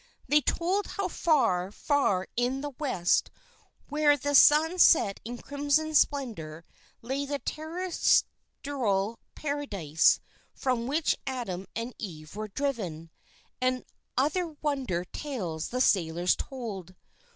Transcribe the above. They told how far, far in the West, where the sun set in crimson splendour, lay the Terrestrial Paradise from which Adam and Eve were driven. And other wonder tales the sailors told.